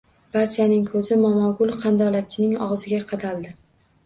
Barchaning ko‘zi Momogul qandolatchining og‘ziga qadaldi